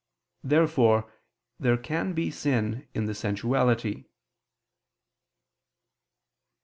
Therefore there can be sin in the sensuality.